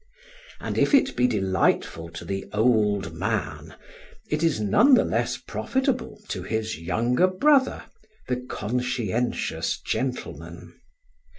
And if it be delightful to the Old Man, it is none the less profitable to his younger brother, the conscientious gentleman.